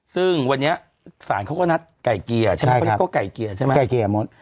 ซึ่งวันนี้ศาลเขาก็นัดไก่เกี่ยใช่มั้ย